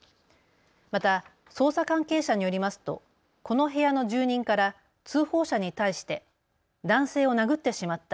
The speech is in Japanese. また捜査関係者によりますとこの部屋の住人から通報者に対して男性を殴ってしまった。